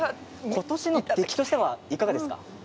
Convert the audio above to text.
ことしの出来としてはいかがですか？